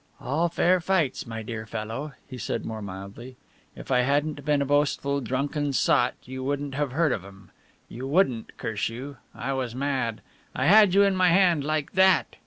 "All fair fights, my dear fellow," he said more mildly, "if I hadn't been a boastful, drunken sot, you wouldn't have heard of 'em you wouldn't, curse you. I was mad! I had you in my hand like that!"